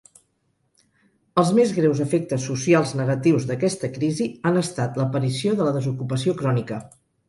Els més greus efectes socials negatius d'aquesta crisi han estat l'aparició de la desocupació crònica.